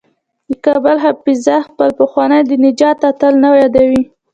د کابل حافظه خپل پخوانی د نجات اتل نه یادوي.